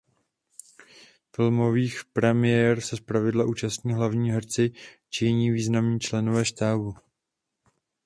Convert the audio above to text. Filmových premiér se zpravidla účastní hlavní herci či jiní významní členové štábu.